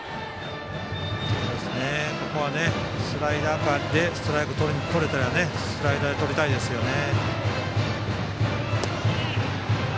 ここはスライダーでストライクとれたらスライダーでとりたいですよね。